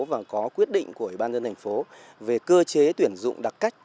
và có quyết định của ủy ban dân thành phố về cơ chế tuyển dụng đặc cách